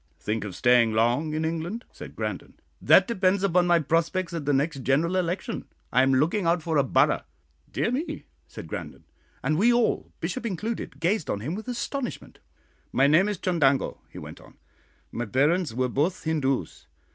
"Think of staying long in England?" said Grandon. "That depends upon my prospects at the next general election. I am looking out for a borough." "Dear me!" said Grandon; and we all, Bishop included, gazed on him with astonishment. "My name is Chundango," he went on. "My parents were both Hindoos.